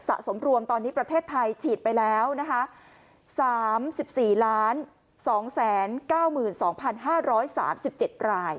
สะสมรวงตอนนี้ประเทศไทยฉีดไปแล้วนะคะสามสิบสี่ล้านสองแสนเก้าหมื่นสองพันห้าร้อยสามสิบเจ็ดราย